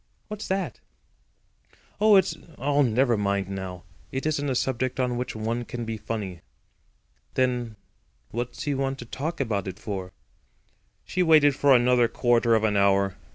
"What's that?" "Oh, it's—oh, never mind now. It isn't a subject on which one can be funny." "Then what's he want to talk about it for?" She waited for another quarter of an hour.